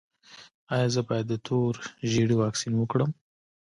ایا زه باید د تور ژیړي واکسین وکړم؟